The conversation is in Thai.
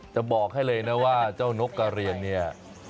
จะบอกให้เลยนะว่าเจ้านกกระเรียนเนี่ย